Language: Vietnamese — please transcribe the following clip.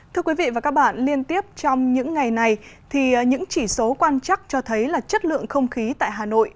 thưa quý vị và các bạn liên tiếp trong những ngày này thì những chỉ số quan chắc cho thấy là chất lượng không khí tại hà nội